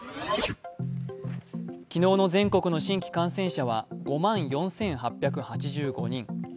昨日の全国の新規感染者は５万４８８５人。